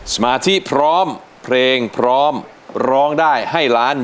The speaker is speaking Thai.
สมาธิพร้อมเพลงพร้อมร้องได้ให้ล้าน